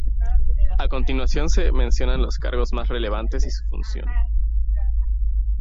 A continuación se mencionan los cargos más relevantes y su función.